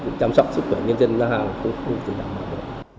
chăm sóc sức khỏe nhân dân na hàng cũng không thể đảm bảo được